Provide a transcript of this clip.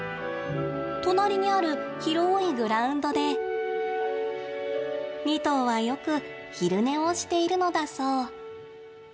隣にある広いグラウンドで２頭は、よく昼寝をしているのだそう。